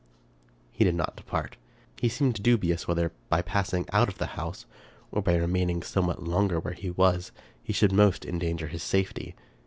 He did not depart. He seemed dubious whether by pass ing out of the house, or by remaining somewhat longer where he was, he should most endanger his safety.